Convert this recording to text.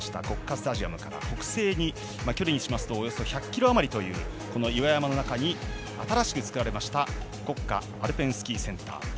国家スタジアムから北西に距離にしますと１００ｋｍあまりという岩山の中に新しく作られました国家アルペンスキーセンター。